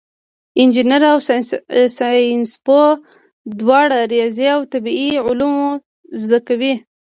انجینر او ساینسپوه دواړه ریاضي او طبیعي علوم زده کوي.